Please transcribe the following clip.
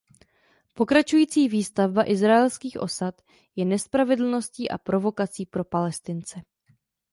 Pokračující výstavba izraelských osad je nespravedlností a provokací pro Palestince.